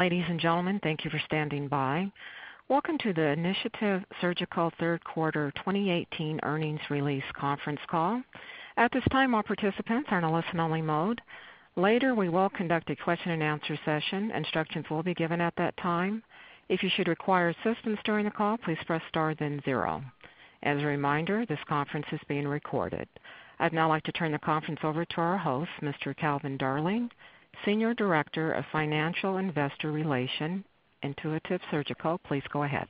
Ladies and gentlemen, thank you for standing by. Welcome to the Intuitive Surgical third quarter 2018 earnings release conference call. At this time, all participants are in a listen-only mode. Later, we will conduct a question-and-answer session. Instructions will be given at that time. If you should require assistance during the call, please press star then zero. As a reminder, this conference is being recorded. I'd now like to turn the conference over to our host, Mr. Calvin Darling, Senior Director of Finance-Investor Relations, Intuitive Surgical. Please go ahead.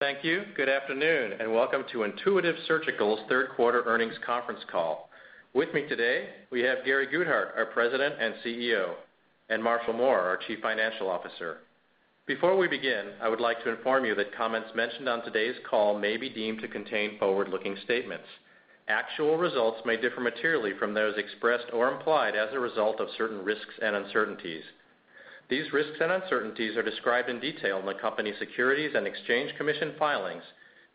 Thank you. Good afternoon, and welcome to Intuitive Surgical's third quarter earnings conference call. With me today, we have Gary Guthart, our President and CEO, and Marshall Mohr, our Chief Financial Officer. Before we begin, I would like to inform you that comments mentioned on today's call may be deemed to contain forward-looking statements. Actual results may differ materially from those expressed or implied as a result of certain risks and uncertainties. These risks and uncertainties are described in detail in the company's Securities and Exchange Commission filings,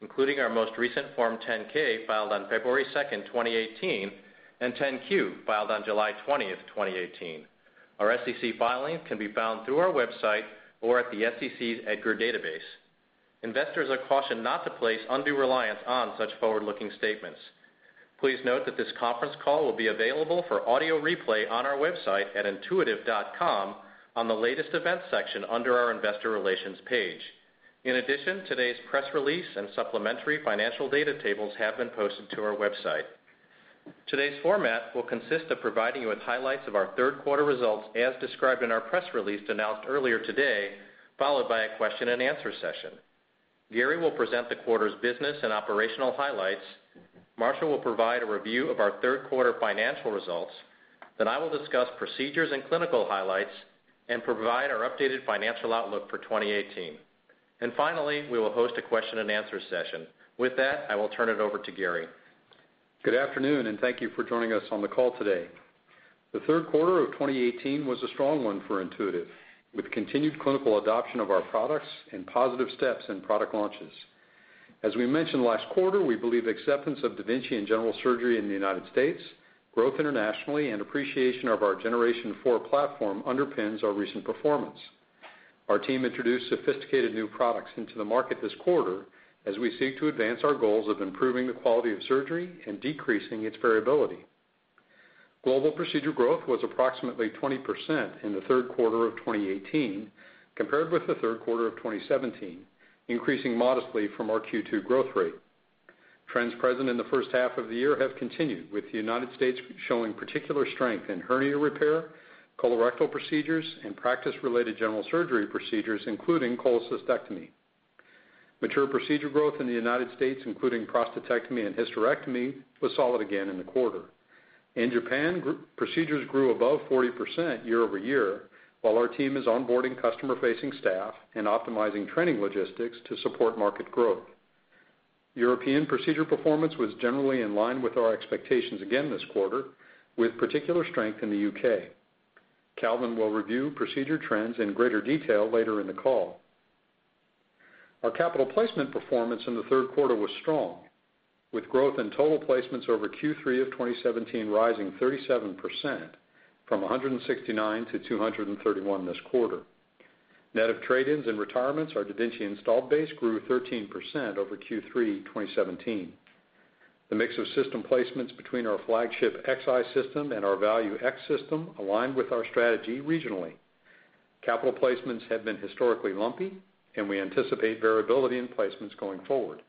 including our most recent Form 10-K filed on February 2nd, 2018, and 10-Q filed on July 20th, 2018. Our SEC filings can be found through our website or at the SEC's EDGAR database. Investors are cautioned not to place undue reliance on such forward-looking statements. Please note that this conference call will be available for audio replay on our website at intuitive.com on the Latest Events section under our Investor Relations page. In addition, today's press release and supplementary financial data tables have been posted to our website. Today's format will consist of providing you with highlights of our third quarter results as described in our press release announced earlier today, followed by a question-and-answer session. Gary will present the quarter's business and operational highlights. Marshall will provide a review of our third quarter financial results. I will discuss procedures and clinical highlights and provide our updated financial outlook for 2018. Finally, we will host a question-and-answer session. With that, I will turn it over to Gary. Good afternoon. Thank you for joining us on the call today. The third quarter of 2018 was a strong one for Intuitive, with continued clinical adoption of our products and positive steps in product launches. As we mentioned last quarter, we believe acceptance of da Vinci in general surgery in the United States, growth internationally, and appreciation of our Generation 4 platform underpins our recent performance. Our team introduced sophisticated new products into the market this quarter as we seek to advance our goals of improving the quality of surgery and decreasing its variability. Global procedure growth was approximately 20% in the third quarter of 2018 compared with the third quarter of 2017, increasing modestly from our Q2 growth rate. Trends present in the first half of the year have continued, with the United States showing particular strength in hernia repair, colorectal procedures, and practice-related general surgery procedures, including cholecystectomy. Mature procedure growth in the United States, including prostatectomy and hysterectomy, was solid again in the quarter. In Japan, procedures grew above 40% year-over-year, while our team is onboarding customer-facing staff and optimizing training logistics to support market growth. European procedure performance was generally in line with our expectations again this quarter, with particular strength in the U.K. Calvin will review procedure trends in greater detail later in the call. Our capital placement performance in the third quarter was strong, with growth in total placements over Q3 of 2017 rising 37%, from 169 to 231 this quarter. Net of trade-ins and retirements, our da Vinci installed base grew 13% over Q3 2017. The mix of system placements between our flagship da Vinci Xi system and our da Vinci X system aligned with our strategy regionally. Capital placements have been historically lumpy, and we anticipate variability in placements going forward.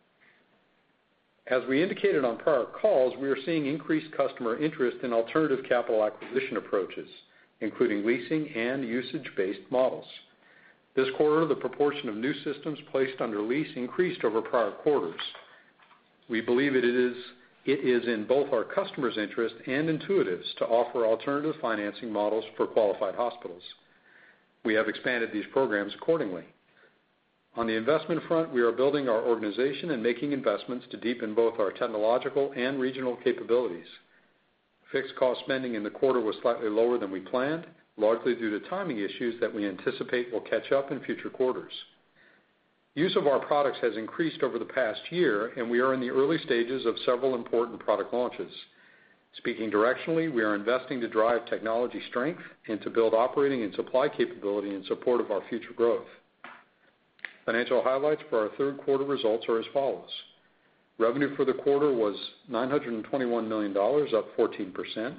As we indicated on prior calls, we are seeing increased customer interest in alternative capital acquisition approaches, including leasing and usage-based models. This quarter, the proportion of new systems placed under lease increased over prior quarters. We believe it is in both our customers' interest and Intuitive's to offer alternative financing models for qualified hospitals. We have expanded these programs accordingly. On the investment front, we are building our organization and making investments to deepen both our technological and regional capabilities. Fixed cost spending in the quarter was slightly lower than we planned, largely due to timing issues that we anticipate will catch up in future quarters. Use of our products has increased over the past year, and we are in the early stages of several important product launches. Speaking directionally, we are investing to drive technology strength and to build operating and supply capability in support of our future growth. Financial highlights for our third quarter results are as follows. Revenue for the quarter was $921 million, up 14%.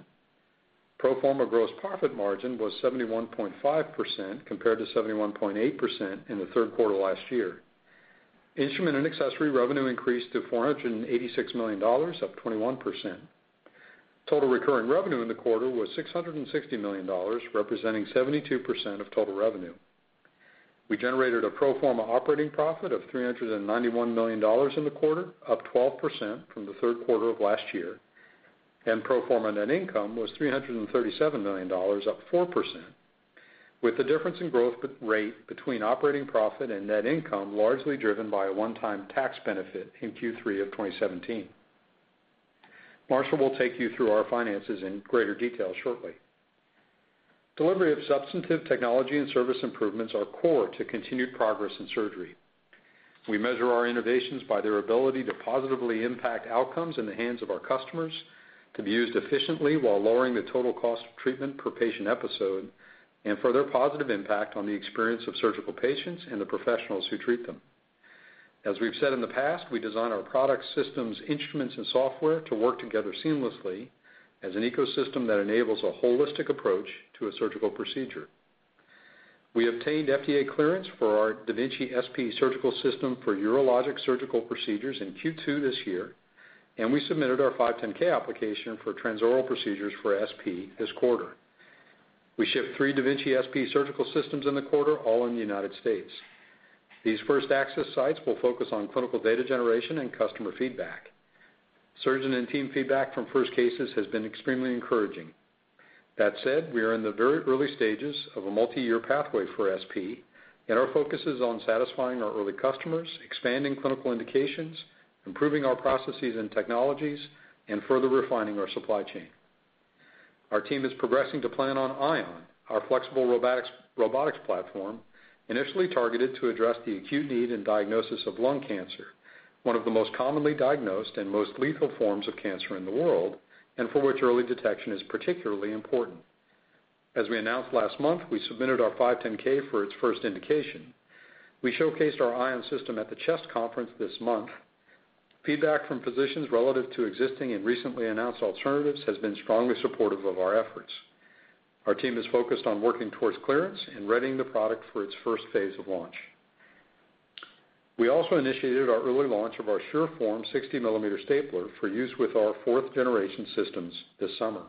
Pro forma gross profit margin was 71.5% compared to 71.8% in the third quarter last year. Instrument and accessory revenue increased to $486 million, up 21%. Total recurring revenue in the quarter was $660 million, representing 72% of total revenue. We generated a pro forma operating profit of $391 million in the quarter, up 12% from the third quarter of last year, and pro forma net income was $337 million, up 4%, with the difference in growth rate between operating profit and net income largely driven by a one-time tax benefit in Q3 of 2017. Marshall will take you through our finances in greater detail shortly. Delivery of substantive technology and service improvements are core to continued progress in surgery. We measure our innovations by their ability to positively impact outcomes in the hands of our customers, to be used efficiently while lowering the total cost of treatment per patient episode, and for their positive impact on the experience of surgical patients and the professionals who treat them. As we've said in the past, we design our product systems, instruments, and software to work together seamlessly as an ecosystem that enables a holistic approach to a surgical procedure. We obtained FDA clearance for our da Vinci SP surgical system for urologic surgical procedures in Q2 this year, and we submitted our 510 application for transoral procedures for SP this quarter. We shipped three da Vinci SP surgical systems in the quarter, all in the United States. These first access sites will focus on clinical data generation and customer feedback. Surgeon and team feedback from first cases has been extremely encouraging. That said, we are in the very early stages of a multi-year pathway for SP, and our focus is on satisfying our early customers, expanding clinical indications, improving our processes and technologies, and further refining our supply chain. Our team is progressing to plan on Ion, our flexible robotics platform, initially targeted to address the acute need in diagnosis of lung cancer, one of the most commonly diagnosed and most lethal forms of cancer in the world, and for which early detection is particularly important. As we announced last month, we submitted our 510 for its first indication. We showcased our Ion system at the CHEST Conference this month. Feedback from physicians relative to existing and recently announced alternatives has been strongly supportive of our efforts. Our team is focused on working towards clearance and readying the product for its first phase of launch. We also initiated our early launch of our SureForm 60 mm stapler for use with our fourth generation systems this summer.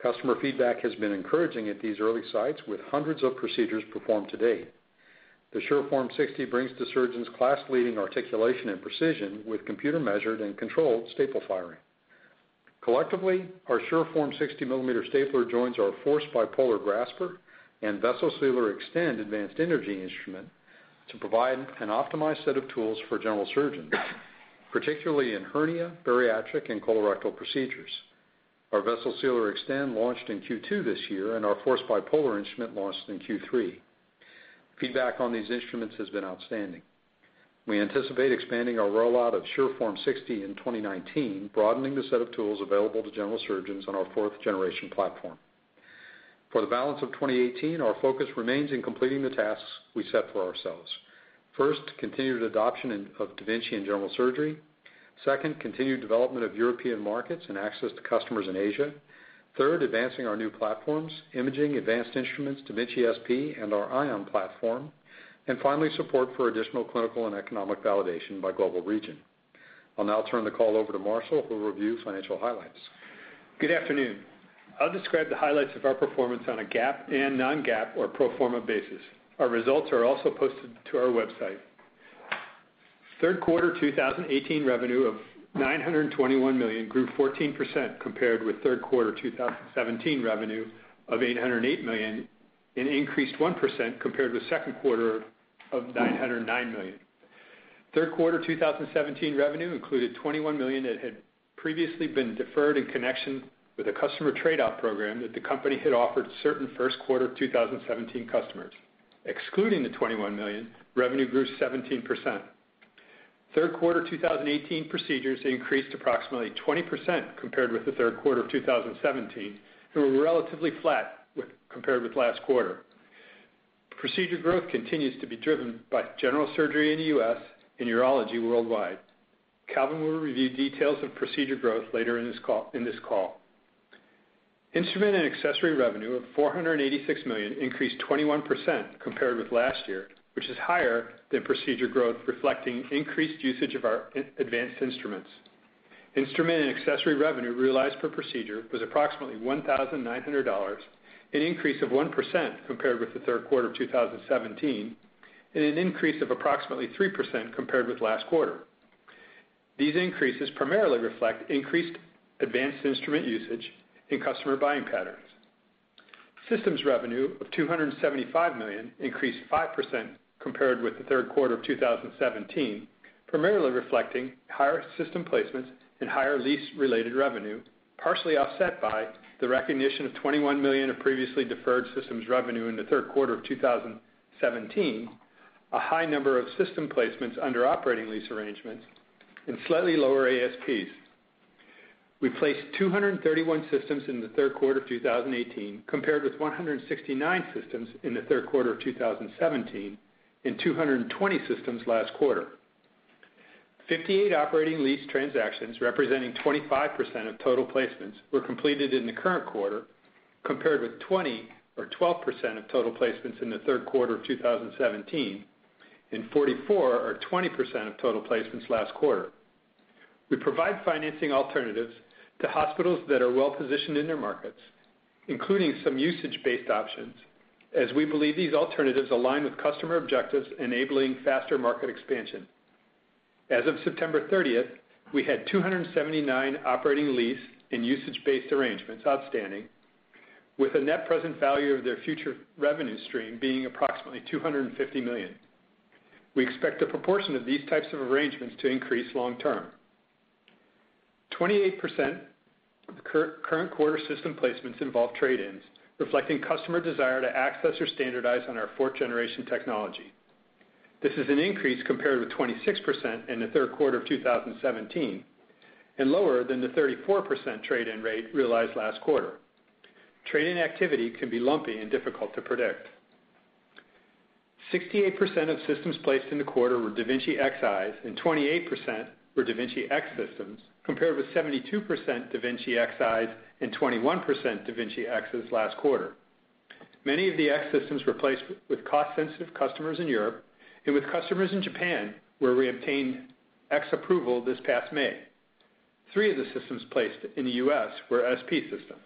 Customer feedback has been encouraging at these early sites, with hundreds of procedures performed to date. The SureForm 60 brings to surgeons class-leading articulation and precision with computer-measured and controlled staple firing. Collectively, our SureForm 60 mm stapler joins our Force Bipolar grasper and Vessel Sealer Extend advanced energy instrument to provide an optimized set of tools for general surgeons, particularly in hernia, bariatric, and colorectal procedures. Our Vessel Sealer Extend launched in Q2 this year, and our Force Bipolar instrument launched in Q3. Feedback on these instruments has been outstanding. We anticipate expanding our rollout of SureForm 60 in 2019, broadening the set of tools available to general surgeons on our fourth generation platform. For the balance of 2018, our focus remains in completing the tasks we set for ourselves. First, continued adoption of da Vinci in general surgery. Second, continued development of European markets and access to customers in Asia. Third, advancing our new platforms, imaging, advanced instruments, da Vinci SP, and our Ion platform. Finally, support for additional clinical and economic validation by global region. I'll now turn the call over to Marshall, who will review financial highlights. Good afternoon. I'll describe the highlights of our performance on a GAAP and non-GAAP or pro forma basis. Our results are also posted to our website. Third quarter 2018 revenue of $921 million grew 14% compared with third quarter 2017 revenue of $808 million, and increased 1% compared with the second quarter of $909 million. Third quarter 2017 revenue included $21 million that had previously been deferred in connection with a customer trade-out program that the company had offered certain first-quarter 2017 customers. Excluding the $21 million, revenue grew 17%. Third quarter 2018 procedures increased approximately 20% compared with the third quarter of 2017 and were relatively flat compared with last quarter. Procedure growth continues to be driven by general surgery in the U.S. and urology worldwide. Calvin will review details of procedure growth later in this call. Instrument and accessory revenue of $486 million increased 21% compared with last year, which is higher than procedure growth, reflecting increased usage of our advanced instruments. Instrument and accessory revenue realized per procedure was approximately $1,900, an increase of 1% compared with the third quarter of 2017, and an increase of approximately 3% compared with last quarter. These increases primarily reflect increased advanced instrument usage in customer buying patterns. Systems revenue of $275 million increased 5% compared with the third quarter of 2017, primarily reflecting higher system placements and higher lease-related revenue, partially offset by the recognition of $21 million of previously deferred systems revenue in the third quarter of 2017, a high number of system placements under operating lease arrangements, and slightly lower ASPs. We placed 231 systems in the third quarter of 2018, compared with 169 systems in the third quarter of 2017, and 220 systems last quarter. 58 operating lease transactions representing 25% of total placements were completed in the current quarter, compared with 20 or 12% of total placements in the third quarter of 2017, and 44 or 20% of total placements last quarter. We provide financing alternatives to hospitals that are well-positioned in their markets, including some usage-based options, as we believe these alternatives align with customer objectives enabling faster market expansion. As of September 30th, we had 279 operating lease and usage-based arrangements outstanding, with a net present value of their future revenue stream being approximately $250 million. We expect the proportion of these types of arrangements to increase long term. 28% of current quarter system placements involve trade-ins, reflecting customer desire to access or standardize on our fourth generation technology. This is an increase compared with 26% in the third quarter of 2017, and lower than the 34% trade-in rate realized last quarter. Trade-in activity can be lumpy and difficult to predict. 68% of systems placed in the quarter were da Vinci Xi, and 28% were da Vinci X systems, compared with 72% da Vinci Xi and 21% da Vinci X last quarter. Many of the X systems were placed with cost-sensitive customers in Europe, and with customers in Japan, where we obtained X approval this past May. Three of the systems placed in the U.S. were SP systems.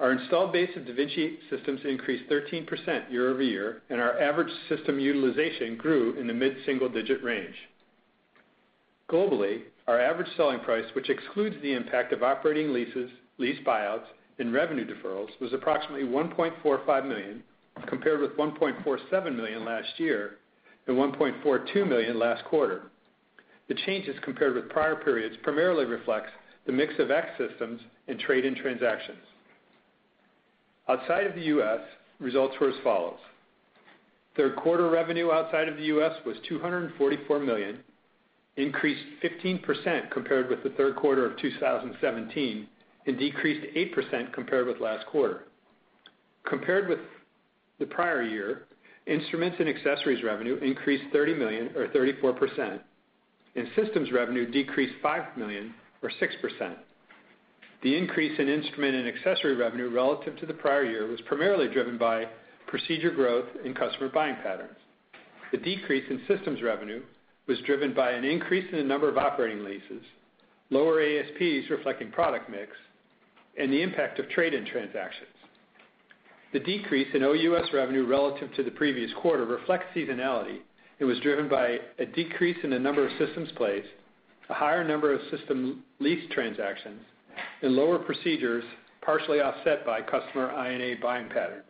Our installed base of da Vinci systems increased 13% year-over-year, and our average system utilization grew in the mid-single digit range. Globally, our average selling price, which excludes the impact of operating leases, lease buyouts, and revenue deferrals, was approximately $1.45 million, compared with $1.47 million last year, and $1.42 million last quarter. The changes compared with prior periods primarily reflects the mix of X systems in trade-in transactions. Outside of the U.S., results were as follows: third quarter revenue outside of the U.S. was $244 million, increased 15% compared with the third quarter of 2017, and decreased 8% compared with last quarter. Compared with the prior year, instruments and accessories revenue increased $30 million or 34%, and systems revenue decreased $5 million or 6%. The increase in instrument and accessory revenue relative to the prior year was primarily driven by procedure growth and customer buying patterns. The decrease in systems revenue was driven by an increase in the number of operating leases, lower ASPs reflecting product mix, and the impact of trade-in transactions. The decrease in OUS revenue relative to the previous quarter reflects seasonality. It was driven by a decrease in the number of systems placed, a higher number of system lease transactions, and lower procedures partially offset by customer I&A buying patterns.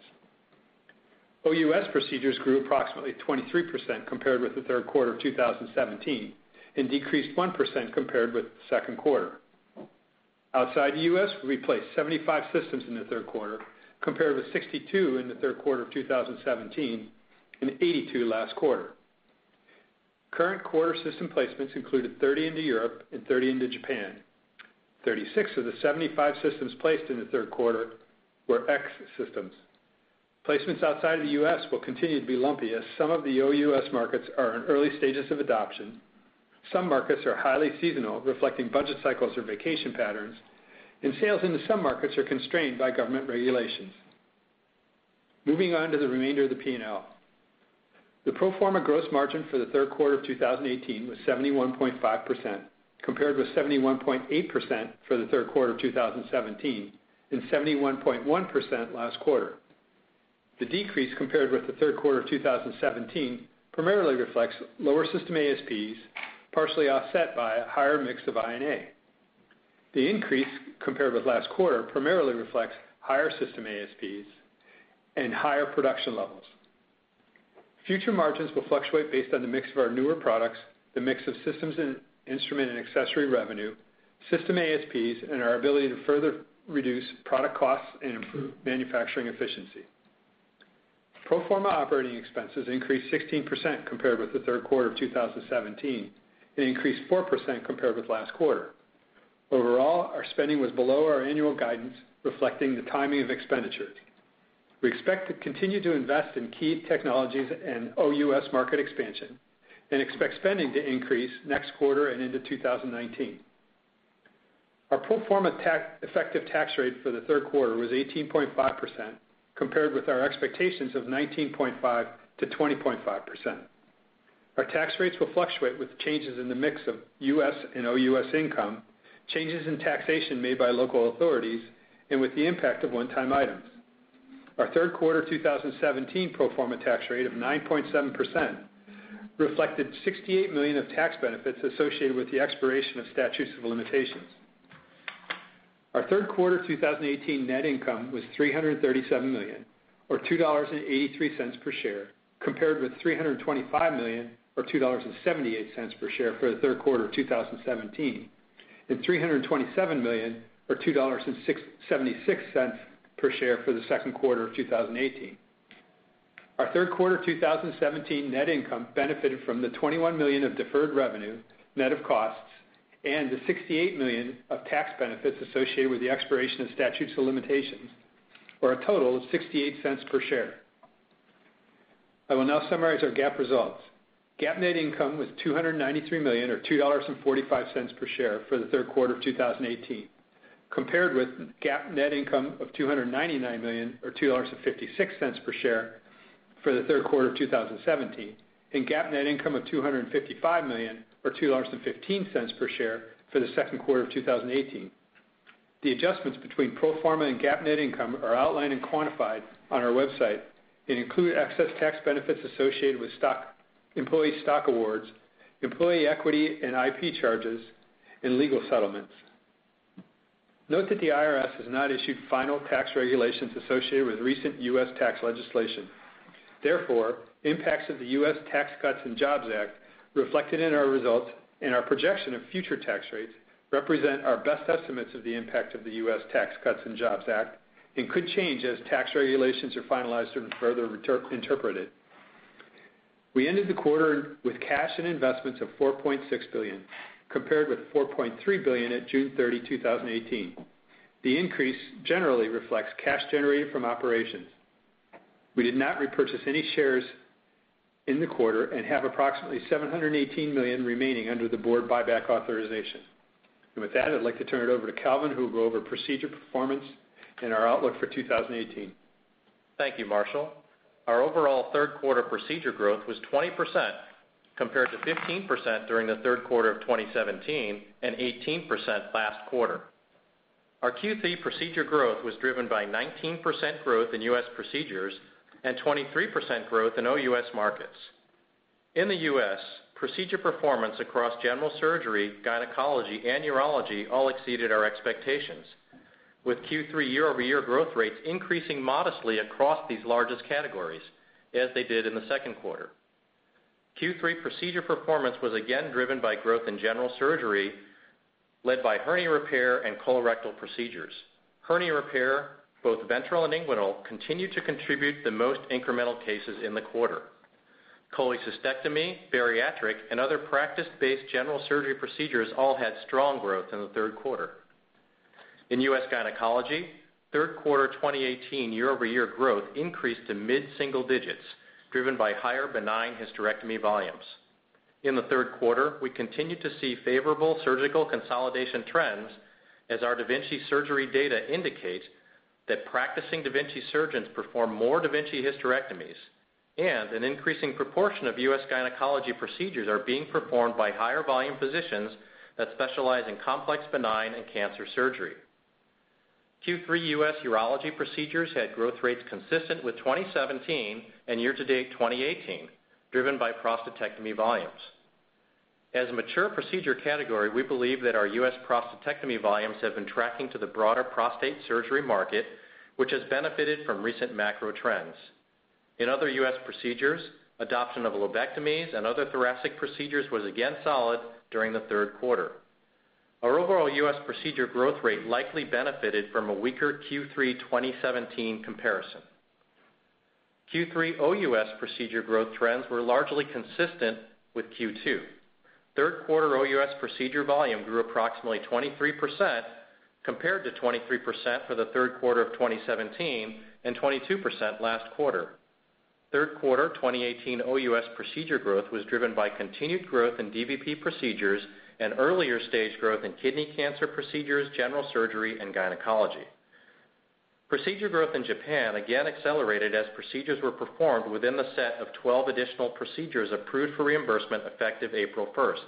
OUS procedures grew approximately 23% compared with the third quarter of 2017, and decreased 1% compared with the second quarter. Outside the U.S., we placed 75 systems in the third quarter compared with 62 in the third quarter of 2017, and 82 last quarter. Current quarter system placements included 30 into Europe and 30 into Japan. 36 of the 75 systems placed in the third quarter were X systems. Placements outside of the U.S. will continue to be lumpy as some of the OUS markets are in early stages of adoption. Some markets are highly seasonal, reflecting budget cycles or vacation patterns, and sales into some markets are constrained by government regulations. Moving on to the remainder of the P&L. The pro forma gross margin for the third quarter of 2018 was 71.5%, compared with 71.8% for the third quarter of 2017, and 71.1% last quarter. The decrease compared with the third quarter of 2017 primarily reflects lower system ASPs, partially offset by a higher mix of I&A. The increase compared with last quarter primarily reflects higher system ASPs and higher production levels. Future margins will fluctuate based on the mix of our newer products, the mix of systems and instrument and accessory revenue, system ASPs, and our ability to further reduce product costs and improve manufacturing efficiency. Pro forma operating expenses increased 16% compared with the third quarter of 2017, and increased 4% compared with last quarter. Overall, our spending was below our annual guidance, reflecting the timing of expenditures. We expect to continue to invest in key technologies and OUS market expansion, and expect spending to increase next quarter and into 2019. Our pro forma effective tax rate for the third quarter was 18.5%, compared with our expectations of 19.5%-20.5%. Our tax rates will fluctuate with changes in the mix of U.S. and OUS income, changes in taxation made by local authorities, and with the impact of one-time items. Our third quarter 2017 pro forma tax rate of 9.7% reflected $68 million of tax benefits associated with the expiration of statutes of limitations. Our third quarter 2018 net income was $337 million, or $2.83 per share, compared with $325 million or $2.78 per share for the third quarter of 2017, and $327 million or $2.76 per share for the second quarter of 2018. Our third quarter 2017 net income benefited from the $21 million of deferred revenue, net of costs, and the $68 million of tax benefits associated with the expiration of statutes of limitations, or a total of $0.68 per share. I will now summarize our GAAP results. GAAP net income was $293 million or $2.45 per share for the third quarter of 2018, compared with GAAP net income of $299 million or $2.56 per share for the third quarter of 2017, and GAAP net income of $255 million or $2.15 per share for the second quarter of 2018. The adjustments between pro forma and GAAP net income are outlined and quantified on our website, include excess tax benefits associated with employee stock awards, employee equity and IP charges, and legal settlements. Note that the IRS has not issued final tax regulations associated with recent U.S. tax legislation. Impacts of the U.S. Tax Cuts and Jobs Act reflected in our results and our projection of future tax rates represent our best estimates of the impact of the U.S. Tax Cuts and Jobs Act and could change as tax regulations are finalized and further interpreted. We ended the quarter with cash and investments of $4.6 billion, compared with $4.3 billion at June 30, 2018. The increase generally reflects cash generated from operations. We did not repurchase any shares in the quarter and have approximately $718 million remaining under the board buyback authorization. With that, I'd like to turn it over to Calvin, who will go over procedure performance and our outlook for 2018. Thank you, Marshall. Our overall third quarter procedure growth was 20%, compared to 15% during the third quarter of 2017 and 18% last quarter. Our Q3 procedure growth was driven by 19% growth in U.S. procedures and 23% growth in OUS markets. In the U.S., procedure performance across general surgery, gynecology, and urology all exceeded our expectations, with Q3 year-over-year growth rates increasing modestly across these largest categories as they did in the second quarter. Q3 procedure performance was again driven by growth in general surgery, led by hernia repair and colorectal procedures. Hernia repair, both ventral and inguinal, continued to contribute the most incremental cases in the quarter. Cholecystectomy, bariatric, and other practice-based general surgery procedures all had strong growth in the third quarter. In U.S. gynecology, third quarter 2018 year-over-year growth increased to mid-single digits, driven by higher benign hysterectomy volumes. In the third quarter, we continued to see favorable surgical consolidation trends as our da Vinci surgery data indicates that practicing da Vinci surgeons perform more da Vinci hysterectomies and an increasing proportion of U.S. gynecology procedures are being performed by higher volume physicians that specialize in complex benign and cancer surgery. Q3 U.S. urology procedures had growth rates consistent with 2017 and year-to-date 2018, driven by prostatectomy volumes. As a mature procedure category, we believe that our U.S. prostatectomy volumes have been tracking to the broader prostate surgery market, which has benefited from recent macro trends. In other U.S. procedures, adoption of lobectomies and other thoracic procedures was again solid during the third quarter. Our overall U.S. procedure growth rate likely benefited from a weaker Q3 2017 comparison. Q3 OUS procedure growth trends were largely consistent with Q2. Third quarter OUS procedure volume grew approximately 23%, compared to 23% for the third quarter of 2017 and 22% last quarter. Third quarter 2018 OUS procedure growth was driven by continued growth in dVP procedures and earlier stage growth in kidney cancer procedures, general surgery, and gynecology. Procedure growth in Japan again accelerated as procedures were performed within the set of 12 additional procedures approved for reimbursement effective April 1st.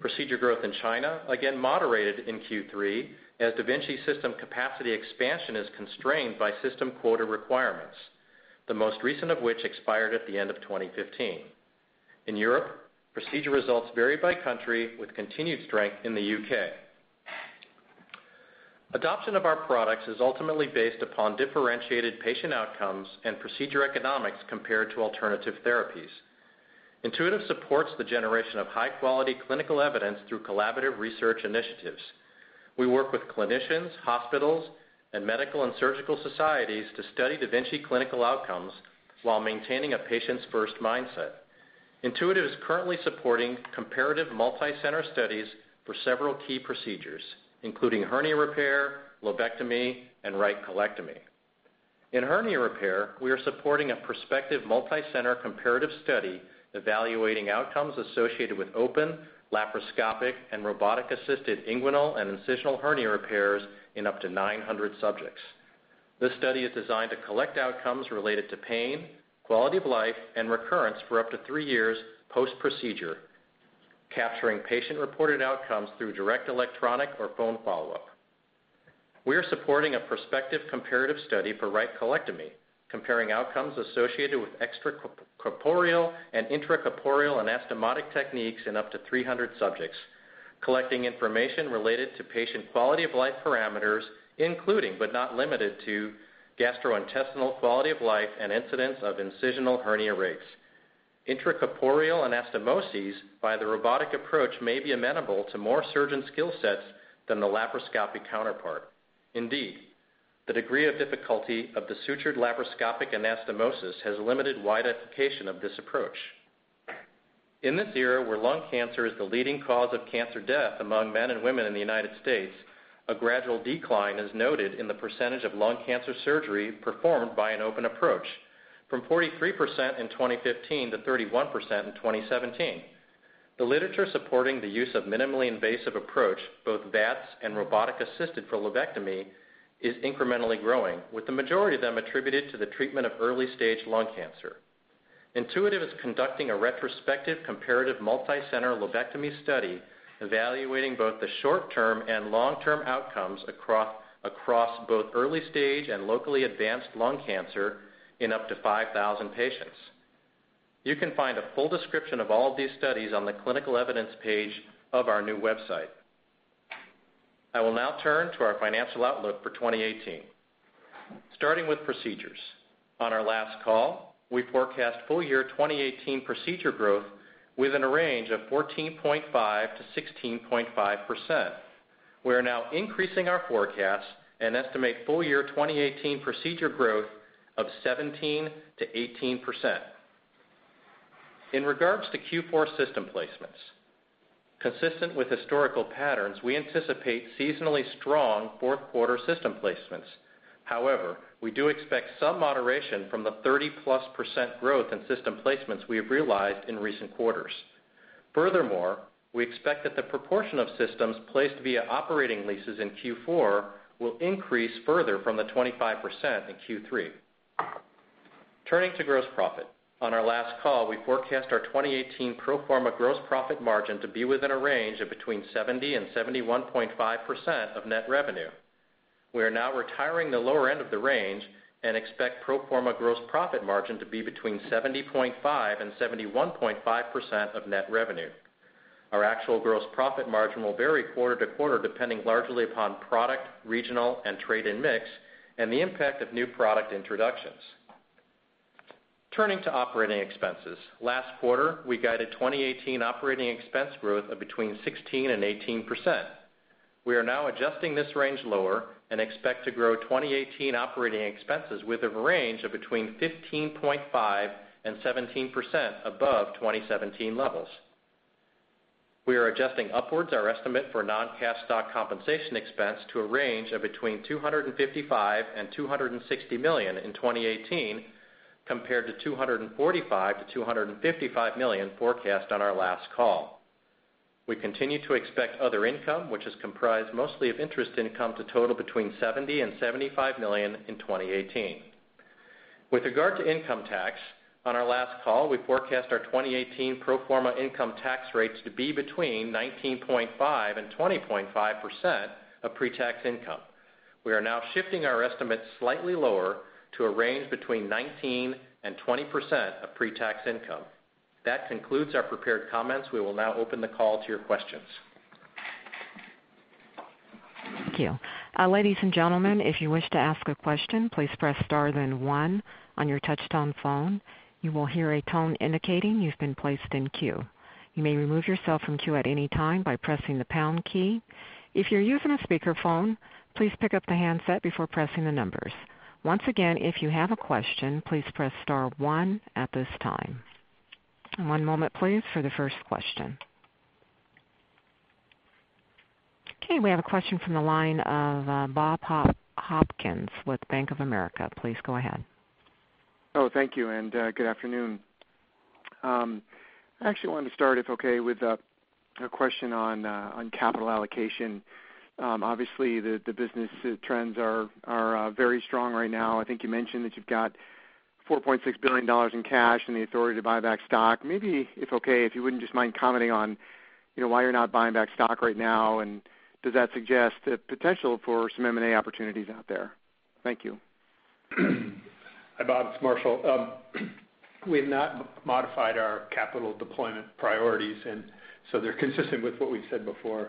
Procedure growth in China again moderated in Q3, as da Vinci system capacity expansion is constrained by system quota requirements, the most recent of which expired at the end of 2015. In Europe, procedure results varied by country with continued strength in the U.K. Adoption of our products is ultimately based upon differentiated patient outcomes and procedure economics compared to alternative therapies. Intuitive supports the generation of high-quality clinical evidence through collaborative research initiatives. We work with clinicians, hospitals, and medical and surgical societies to study da Vinci clinical outcomes while maintaining a patient's first mindset. Intuitive is currently supporting comparative multi-center studies for several key procedures, including hernia repair, lobectomy, and right colectomy. In hernia repair, we are supporting a prospective multi-center comparative study evaluating outcomes associated with open, laparoscopic, and robotic-assisted inguinal and incisional hernia repairs in up to 900 subjects. This study is designed to collect outcomes related to pain, quality of life, and recurrence for up to three years post-procedure, capturing patient-reported outcomes through direct electronic or phone follow-up. We are supporting a prospective comparative study for right colectomy, comparing outcomes associated with extracorporeal and intracorporeal anastomotic techniques in up to 300 subjects, collecting information related to patient quality-of-life parameters, including but not limited to gastrointestinal quality of life and incidence of incisional hernia rates. Intracorporeal anastomoses by the robotic approach may be amenable to more surgeon skill sets than the laparoscopic counterpart. Indeed, the degree of difficulty of the sutured laparoscopic anastomosis has limited wide application of this approach. In this era where lung cancer is the leading cause of cancer death among men and women in the U.S., a gradual decline is noted in the percentage of lung cancer surgery performed by an open approach from 43% in 2015 to 31% in 2017. The literature supporting the use of minimally invasive approach, both VATS and robotic-assisted for lobectomy is incrementally growing, with the majority of them attributed to the treatment of early-stage lung cancer. Intuitive is conducting a retrospective comparative multi-center lobectomy study evaluating both the short-term and long-term outcomes across both early-stage and locally advanced lung cancer in up to 5,000 patients. You can find a full description of all of these studies on the clinical evidence page of our new website. I will now turn to our financial outlook for 2018. Starting with procedures. On our last call, we forecast full year 2018 procedure growth within a range of 14.5%-16.5%. We are now increasing our forecast and estimate full year 2018 procedure growth of 17%-18%. In regards to Q4 system placements. Consistent with historical patterns, we anticipate seasonally strong fourth quarter system placements. However, we do expect some moderation from the 30%-plus growth in system placements we have realized in recent quarters. Furthermore, we expect that the proportion of systems placed via operating leases in Q4 will increase further from the 25% in Q3. Turning to gross profit. On our last call, we forecast our 2018 pro forma gross profit margin to be within a range of between 70% and 71.5% of net revenue. We are now retiring the lower end of the range and expect pro forma gross profit margin to be between 70.5% and 71.5% of net revenue. Our actual gross profit margin will vary quarter to quarter, depending largely upon product, regional, and trade and mix, and the impact of new product introductions. Turning to operating expenses. Last quarter, we guided 2018 operating expense growth of between 16% and 18%. We are now adjusting this range lower and expect to grow 2018 operating expenses with a range of between 15.5% and 17% above 2017 levels. We are adjusting upwards our estimate for non-cash stock compensation expense to a range of between $255 million and $260 million in 2018, compared to $245 million-$255 million forecast on our last call. We continue to expect other income, which is comprised mostly of interest income, to total between $70 million and $75 million in 2018. With regard to income tax, on our last call, we forecast our 2018 pro forma income tax rates to be between 19.5% and 20.5% of pre-tax income. We are now shifting our estimate slightly lower to a range between 19% and 20% of pre-tax income. That concludes our prepared comments. We will now open the call to your questions. Thank you. Ladies and gentlemen, if you wish to ask a question, please press star then one on your touchtone phone. You will hear a tone indicating you've been placed in queue. You may remove yourself from queue at any time by pressing the pound key. If you're using a speakerphone, please pick up the handset before pressing the numbers. Once again, if you have a question, please press star one at this time. One moment, please, for the first question. Okay, we have a question from the line of Bob Hopkins with Bank of America. Please go ahead. Thank you. Good afternoon. I actually wanted to start, if okay, with a question on capital allocation. Obviously, the business trends are very strong right now. I think you mentioned that you've got $4.6 billion in cash and the authority to buy back stock. Maybe, if okay, if you wouldn't just mind commenting on why you're not buying back stock right now, and does that suggest the potential for some M&A opportunities out there? Thank you. Hi, Bob. It's Marshall. We have not modified our capital deployment priorities. They're consistent with what we've said before.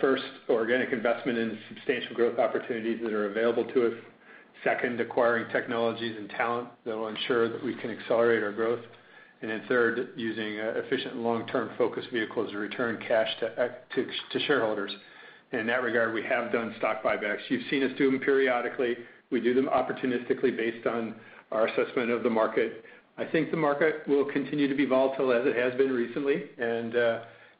First, organic investment in substantial growth opportunities that are available to us. Second, acquiring technologies and talent that will ensure that we can accelerate our growth. Third, using efficient long-term focus vehicles to return cash to shareholders. In that regard, we have done stock buybacks. You've seen us do them periodically. We do them opportunistically based on our assessment of the market. I think the market will continue to be volatile as it has been recently.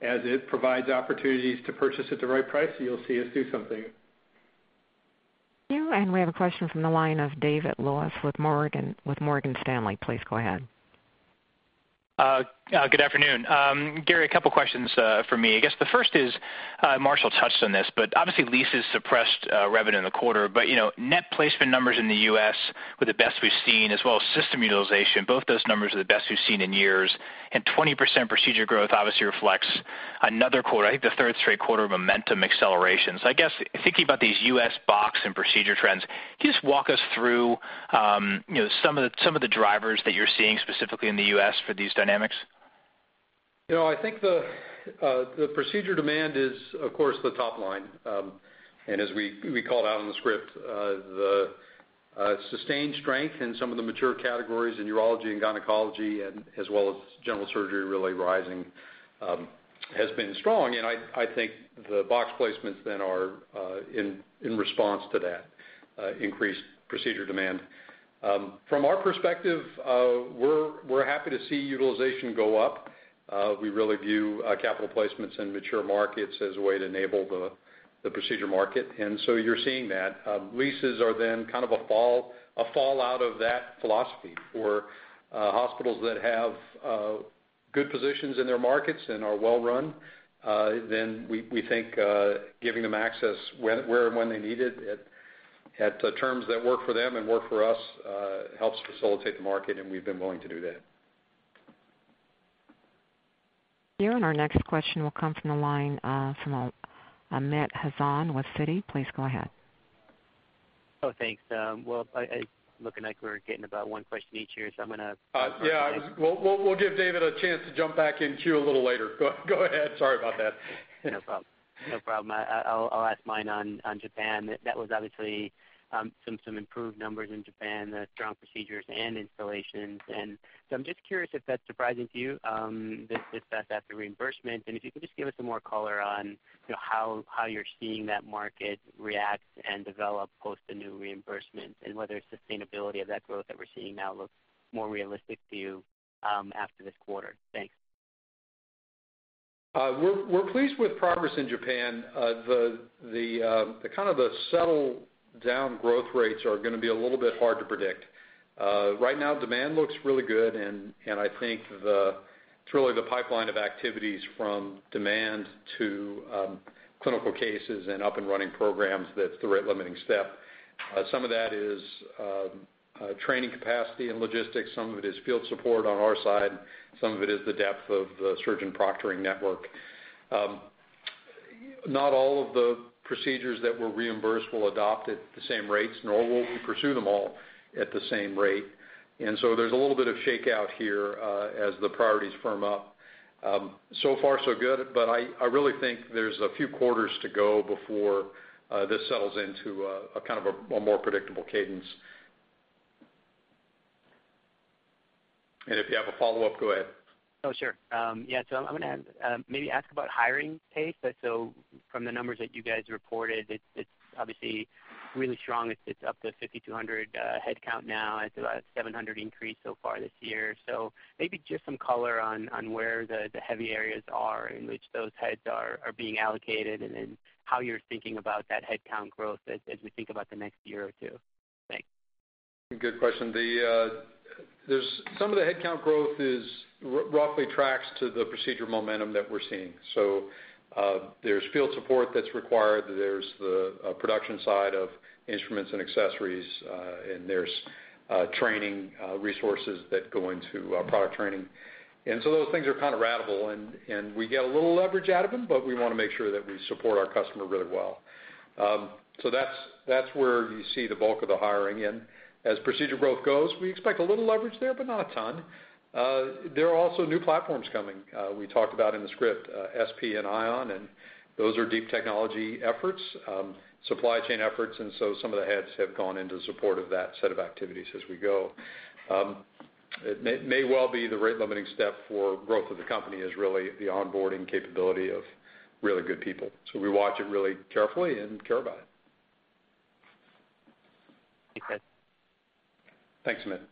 As it provides opportunities to purchase at the right price, you'll see us do something. Thank you. We have a question from the line of David Lewis with Morgan Stanley. Please go ahead. Good afternoon. Gary, a couple questions for me. I guess the first is, Marshall touched on this. Obviously leases suppressed revenue in the quarter. Net placement numbers in the U.S. were the best we've seen, as well as system utilization. Both those numbers are the best we've seen in years. 20% procedure growth obviously reflects another quarter, I think the third straight quarter, of momentum acceleration. I guess, thinking about these U.S. box and procedure trends, can you just walk us through some of the drivers that you're seeing specifically in the U.S. for these dynamics? I think the procedure demand is, of course, the top line. As we called out in the script, the sustained strength in some of the mature categories in urology and gynecology, as well as general surgery really rising, has been strong. I think the box placements then are in response to that increased procedure demand. From our perspective, we're happy to see utilization go up. We really view capital placements in mature markets as a way to enable the procedure market. You're seeing that. Leases are then kind of a fallout of that philosophy for hospitals that have good positions in their markets and are well run. Then we think giving them access where and when they need it, at terms that work for them and work for us, helps facilitate the market. We've been willing to do that. Here. Our next question will come from the line from Amit Hazan with Citi. Please go ahead. Oh, thanks. Well, it's looking like we're getting about one question each here. Yeah. We'll give David a chance to jump back into queue a little later. Go ahead. Sorry about that. No problem. I'll ask mine on Japan. That was obviously some improved numbers in Japan, strong procedures and installations. I'm just curious if that's surprising to you, this fast after reimbursement, and if you could just give us some more color on how you're seeing that market react and develop post the new reimbursement, and whether sustainability of that growth that we're seeing now looks more realistic to you after this quarter. Thanks. We're pleased with progress in Japan. The subtle down growth rates are going to be a little bit hard to predict. Right now, demand looks really good, and I think it's really the pipeline of activities from demand to clinical cases and up-and-running programs that's the rate limiting step. Some of that is training capacity and logistics. Some of it is field support on our side. Some of it is the depth of the surgeon proctoring network. Not all of the procedures that were reimbursed will adopt at the same rates, nor will we pursue them all at the same rate. There's a little bit of shakeout here as the priorities firm up. So far so good, but I really think there's a few quarters to go before this settles into a more predictable cadence. If you have a follow-up, go ahead. Oh, sure. Yeah. I'm going to maybe ask about hiring pace. From the numbers that you guys reported, it's obviously really strong. It's up to 5,200 headcount now. It's about a 700 increase so far this year. Maybe just some color on where the heavy areas are in which those heads are being allocated, and then how you're thinking about that headcount growth as we think about the next year or two. Thanks. Good question. Some of the headcount growth roughly tracks to the procedure momentum that we're seeing. There's field support that's required. There's the production side of instruments and accessories, and there's training resources that go into product training. Those things are kind of ratable, and we get a little leverage out of them, but we want to make sure that we support our customer really well. That's where you see the bulk of the hiring. As procedure growth goes, we expect a little leverage there, but not a ton. There are also new platforms coming. We talked about in the script SP and Ion, and those are deep technology efforts, supply chain efforts, some of the heads have gone into support of that set of activities as we go. It may well be the rate limiting step for growth of the company is really the onboarding capability of really good people. We watch it really carefully and care about it. Thanks, guys. Thanks,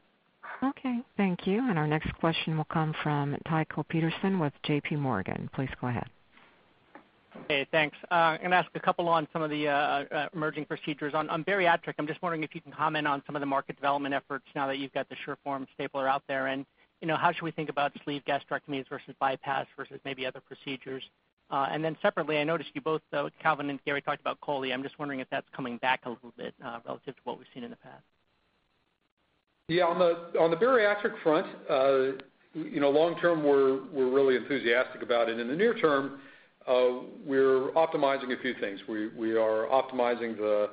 Amit. Okay. Thank you. Our next question will come from Tycho Peterson with JPMorgan. Please go ahead. Hey, thanks. I'm going to ask a couple on some of the emerging procedures. On bariatric, I'm just wondering if you can comment on some of the market development efforts now that you've got the SureForm stapler out there, and how should we think about sleeve gastrectomies versus bypass versus maybe other procedures. Separately, I noticed you both, though, Calvin and Gary talked about chole. I'm just wondering if that's coming back a little bit relative to what we've seen in the past. Yeah. On the bariatric front, long term, we're really enthusiastic about it. In the near term, we're optimizing a few things. We are optimizing the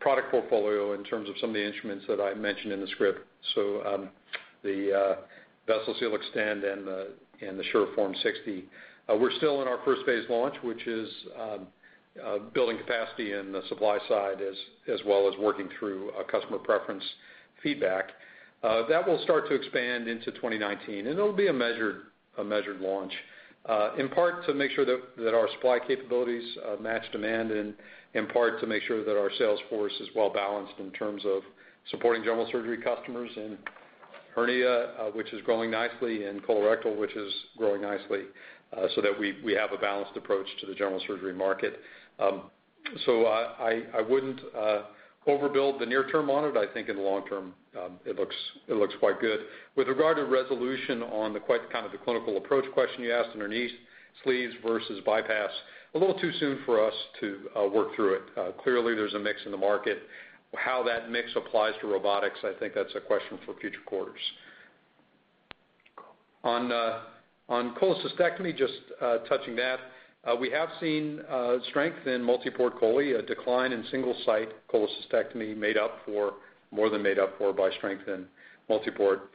product portfolio in terms of some of the instruments that I mentioned in the script. The Vessel Sealer Extend and the SureForm 60. We're still in our first phase launch, which is building capacity in the supply side as well as working through customer preference feedback. That will start to expand into 2019, and it'll be a measured launch in part to make sure that our supply capabilities match demand, and in part to make sure that our sales force is well balanced in terms of supporting general surgery customers in hernia which is growing nicely, and colorectal which is growing nicely, so that we have a balanced approach to the general surgery market. I wouldn't overbuild the near term on it. I think in the long term, it looks quite good. With regard to resolution on the kind of the clinical approach question you asked underneath sleeves versus bypass, a little too soon for us to work through it. Clearly there's a mix in the market. How that mix applies to robotics, I think that's a question for future quarters. On cholecystectomy, just touching that, we have seen strength in multi-port chole, a decline in single site cholecystectomy more than made up for by strength in multi-port.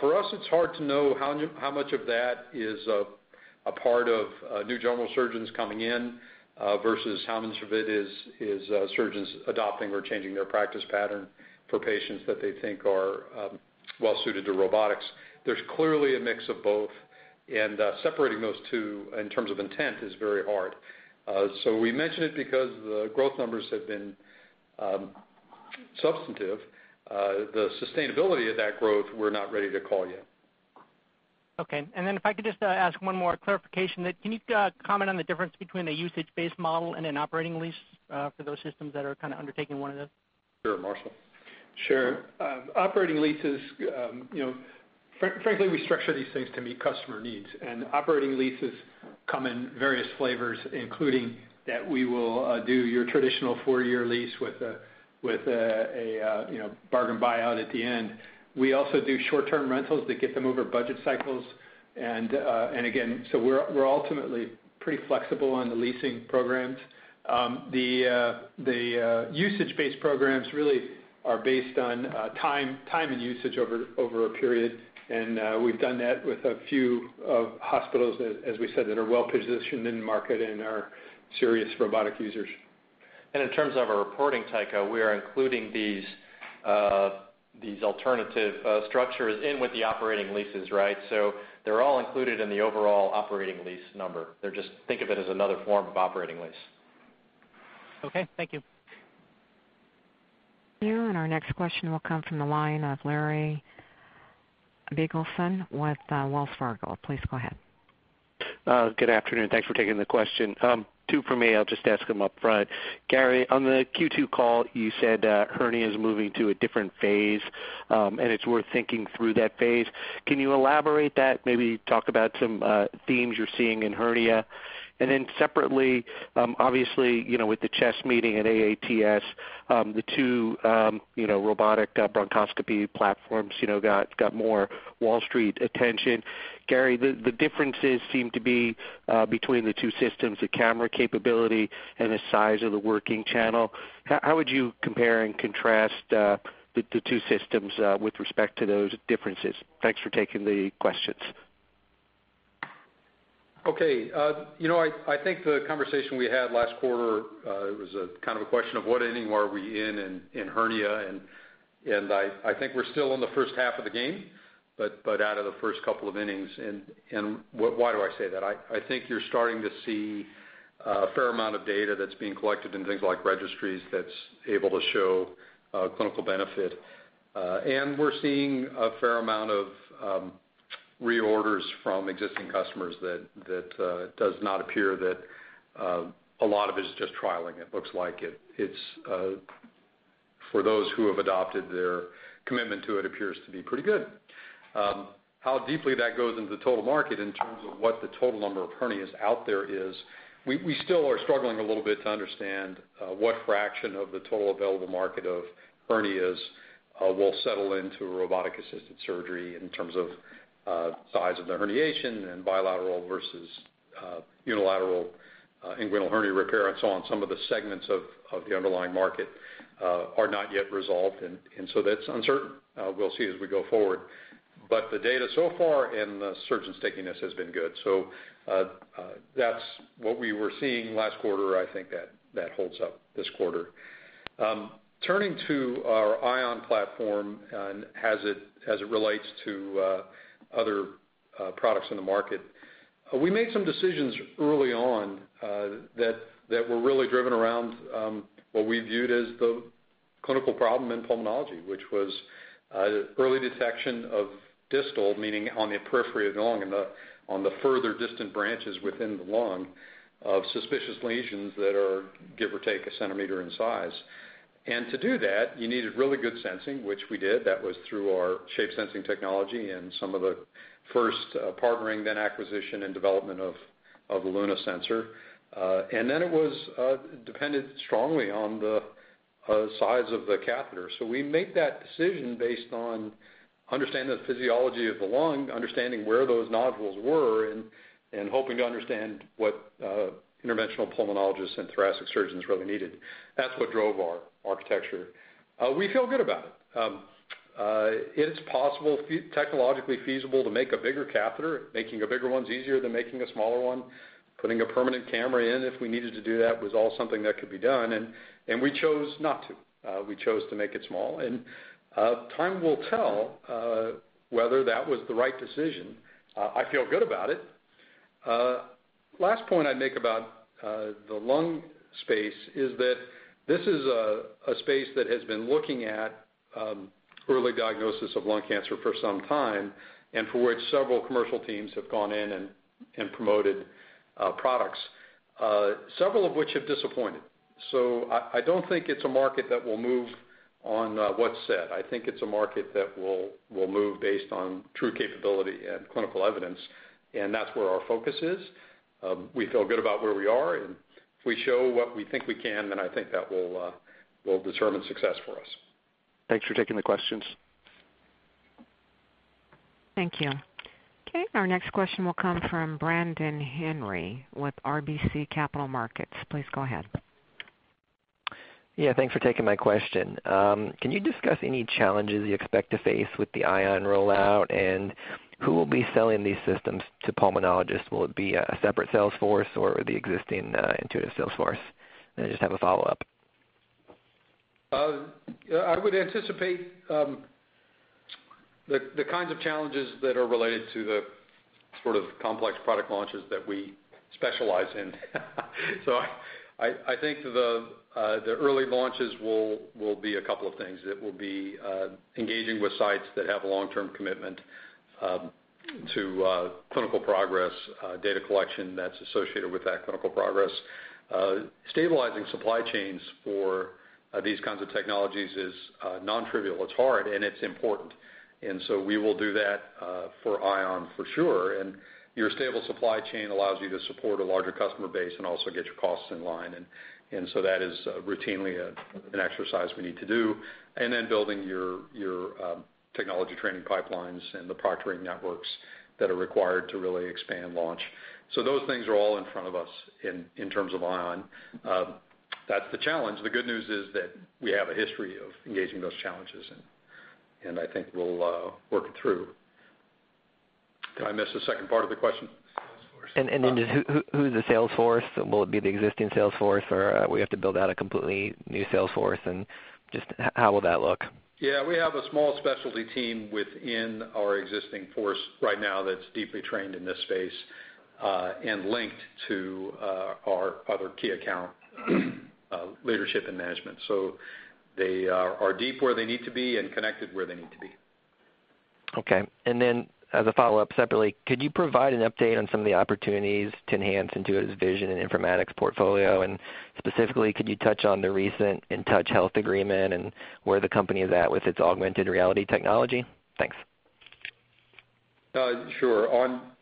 For us, it's hard to know how much of that is a part of new general surgeons coming in versus how much of it is surgeons adopting or changing their practice pattern for patients that they think are well suited to robotics. There's clearly a mix of both, and separating those two in terms of intent is very hard. We mention it because the growth numbers have been substantive. The sustainability of that growth we're not ready to call yet. Okay. If I could just ask one more clarification. Can you comment on the difference between a usage-based model and an operating lease for those systems that are kind of undertaking one of those? Sure. Marshall? Sure. Operating leases, frankly, we structure these things to meet customer needs. Operating leases come in various flavors, including that we will do your traditional four-year lease with a bargain buyout at the end. We also do short-term rentals that get them over budget cycles. Again, we're ultimately pretty flexible on the leasing programs. The usage-based programs really are based on time and usage over a period. We've done that with a few hospitals, as we said, that are well-positioned in the market and are serious robotic users. In terms of our reporting, Tycho, we are including these alternative structures in with the operating leases, right? They're all included in the overall operating lease number. Just think of it as another form of operating lease. Okay, thank you. You, our next question will come from the line of Larry Biegelsen with Wells Fargo. Please go ahead. Good afternoon. Thanks for taking the question. Two from me. I'll just ask them upfront. Gary, on the Q2 call, you said that hernia is moving to a different phase, it's worth thinking through that phase. Can you elaborate that, maybe talk about some themes you're seeing in hernia? Separately, obviously, with the CHEST meeting at AATS, the two robotic bronchoscopy platforms got more Wall Street attention. Gary, the differences seem to be between the two systems, the camera capability and the size of the working channel. How would you compare and contrast the two systems with respect to those differences? Thanks for taking the questions. Okay. I think the conversation we had last quarter was kind of a question of what ending are we in in hernia, I think we're still in the first half of the game, out of the first couple of innings. Why do I say that? I think you're starting to see a fair amount of data that's being collected in things like registries that's able to show clinical benefit. We're seeing a fair amount of reorders from existing customers that does not appear that a lot of it is just trialing. It looks like for those who have adopted their commitment to it appears to be pretty good. How deeply that goes into the total market in terms of what the total number of hernias out there is, we still are struggling a little bit to understand what fraction of the total available market of hernias will settle into robotic-assisted surgery in terms of size of the herniation and bilateral versus unilateral inguinal hernia repair and so on. Some of the segments of the underlying market are not yet resolved, that's uncertain. We'll see as we go forward. The data so far in the surgeons taking this has been good. That's what we were seeing last quarter. I think that holds up this quarter. Turning to our Ion platform and as it relates to other products in the market. We made some decisions early on that were really driven around what we viewed as the clinical problem in pulmonology, which was early detection of distal, meaning on the periphery of the lung and on the further distant branches within the lung of suspicious lesions that are, give or take, a centimeter in size. To do that, you needed really good sensing, which we did. That was through our shape-sensing technology and some of the first partnering, then acquisition and development of the Luna sensor. Then it was dependent strongly on the size of the catheter. We made that decision based on understanding the physiology of the lung, understanding where those nodules were, and hoping to understand what interventional pulmonologists and thoracic surgeons really needed. That's what drove our architecture. We feel good about it. It's technologically feasible to make a bigger catheter. Making a bigger one's easier than making a smaller one. Putting a permanent camera in, if we needed to do that, was all something that could be done, and we chose not to. We chose to make it small. Time will tell whether that was the right decision. I feel good about it. Last point I'd make about the lung space is that this is a space that has been looking at early diagnosis of lung cancer for some time and for which several commercial teams have gone in and promoted products, several of which have disappointed. I don't think it's a market that will move on what's said. I think it's a market that will move based on true capability and clinical evidence. That's where our focus is. We feel good about where we are. If we show what we think we can, I think that will determine success for us. Thanks for taking the questions. Thank you. Our next question will come from Brandon Lamm with RBC Capital Markets. Please go ahead. Thanks for taking my question. Can you discuss any challenges you expect to face with the Ion rollout, and who will be selling these systems to pulmonologists? Will it be a separate sales force or the existing Intuitive sales force? I just have a follow-up. I would anticipate the kinds of challenges that are related to the sort of complex product launches that we specialize in. I think the early launches will be a couple of things. It will be engaging with sites that have a long-term commitment to clinical progress, data collection that's associated with that clinical progress. Stabilizing supply chains for these kinds of technologies is non-trivial. It's hard, and it's important. We will do that for Ion for sure. Your stable supply chain allows you to support a larger customer base and also get your costs in line. That is routinely an exercise we need to do. Then building your technology training pipelines and the proctoring networks that are required to really expand launch. Those things are all in front of us in terms of Ion. That's the challenge. The good news is that we have a history of engaging those challenges, and I think we'll work it through. Did I miss the second part of the question? Sales force. Just who's the sales force? Will it be the existing sales force, or we have to build out a completely new sales force, just how will that look? Yeah, we have a small specialty team within our existing force right now that's deeply trained in this space, and linked to our other key account leadership and management. They are deep where they need to be and connected where they need to be. Okay. As a follow-up separately, could you provide an update on some of the opportunities to enhance Intuitive's vision and informatics portfolio? Specifically, could you touch on the recent InTouch Health agreement and where the company is at with its augmented reality technology? Thanks. Sure.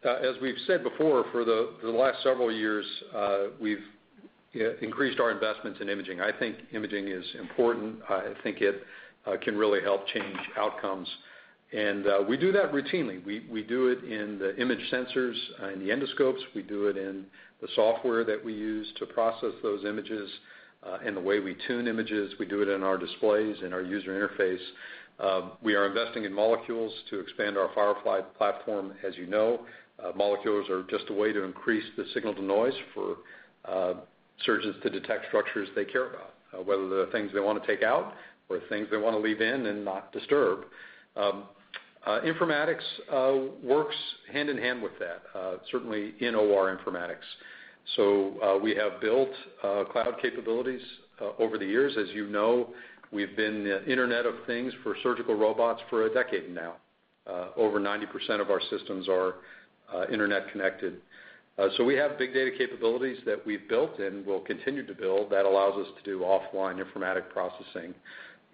As we've said before, for the last several years, we've increased our investments in imaging. I think imaging is important. I think it can really help change outcomes. We do that routinely. We do it in the image sensors in the endoscopes. We do it in the software that we use to process those images and the way we tune images. We do it in our displays and our user interface. We are investing in molecules to expand our Firefly platform, as you know. Molecules are just a way to increase the signal-to-noise for surgeons to detect structures they care about, whether they're things they want to take out or things they want to leave in and not disturb. Informatics works hand-in-hand with that, certainly in OR informatics. We have built cloud capabilities over the years. As you know, we've been Internet of Things for surgical robots for a decade now. Over 90% of our systems are internet connected. We have big data capabilities that we've built and will continue to build that allows us to do offline informatic processing.